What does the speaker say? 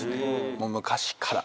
もう昔から。